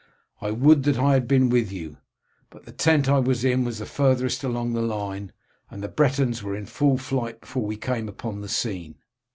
I would that I had been with you, but the tent I was in was the farthest along the line, and the Bretons were in full flight before we came upon the scene."